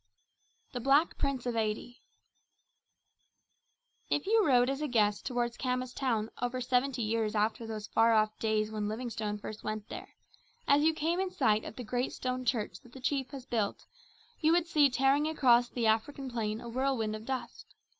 The Black Prince of Eighty If you rode as a guest toward Khama's town over seventy years after those far off days when Livingstone first went there, as you came in sight of the great stone church that the chief has built, you would see tearing across the African plain a whirlwind of dust.